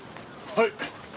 はい。